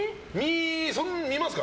見ますか？